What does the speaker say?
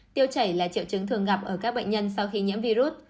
tiêu chảy là triệu chứng thường gặp ở các bệnh nhân sau khi nhiễm virus